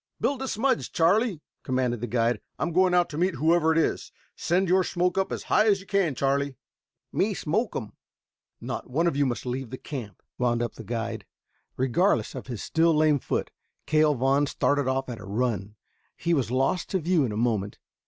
"Build a smudge, Charlie," commanded the guide. "I am going out to meet whoever it is. Send your smoke up as high as you can, Charlie." "Me smoke um." "Not one of you must leave the camp," wound up the guide. Regardless of his still lame foot, Cale Vaughn started off at a run, and was lost to view in a moment.